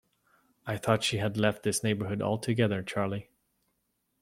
I thought she had left this neighbourhood altogether, Charley.